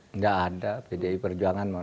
enggak ada pdi perjuangan